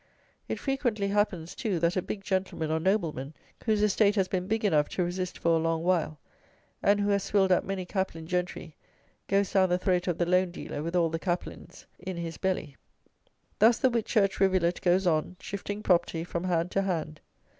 It frequently happens, too, that a big gentleman or nobleman, whose estate has been big enough to resist for a long while, and who has swilled up many caplin gentry, goes down the throat of the loan dealer with all the caplins in his belly. Thus the Whitchurch rivulet goes on, shifting property from hand to hand.